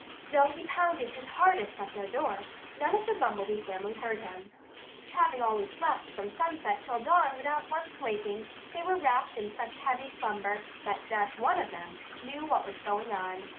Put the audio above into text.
Though he pounded his hardest at their door, none of the Bumblebee family heard him. Having always slept from sunset till dawn without once waking, they were wrapped in such heavy slumber that not one of them knew what was going on.